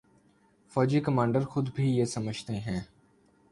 فوجی کمانڈر خود بھی یہ سمجھتے ہیں۔